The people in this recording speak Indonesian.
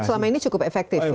dan selama ini cukup efektif ya